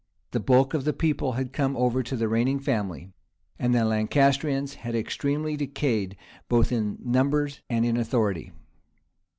the bulk of the people had come over to the reigning family; and the Lancastrians had extremely decayed, both in numbers and in authority.